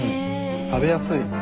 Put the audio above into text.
食べやすい。